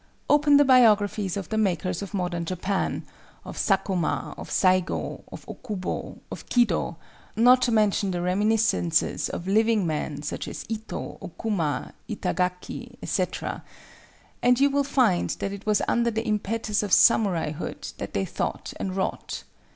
Open the biographies of the makers of Modern Japan—of Sakuma, of Saigo, of Okubo, of Kido, not to mention the reminiscences of living men such as Ito, Okuma, Itagaki, etc.:—and you will find that it was under the impetus of samuraihood that they thought and wrought.